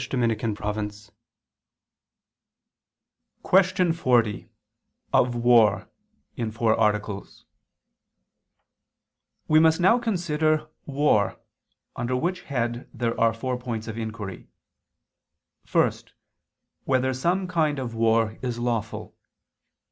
_______________________ QUESTION 40 OF WAR (In Four Articles) We must now consider war, under which head there are four points of inquiry: (1) Whether some kind of war is lawful?